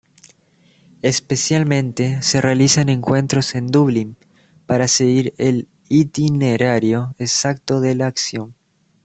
Especialmente se realizan encuentros en Dublín para seguir el itinerario exacto de la acción.